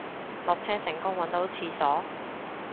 落車成功搵到廁所